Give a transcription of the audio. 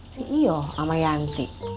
ceo sama yanti